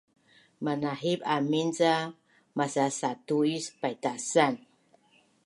Manahip amin ca masasatu is paitasan